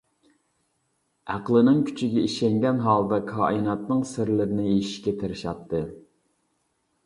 ئەقلىنىڭ كۈچىگە ئىشەنگەن ھالدا كائىناتنىڭ سىرلىرىنى يېشىشكە تىرىشاتتى.